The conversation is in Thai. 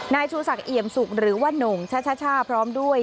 นายชู่ศักดิ์เอี่ยมศุกร์หรือว่าหนุ่งช้าพร้อมด้วย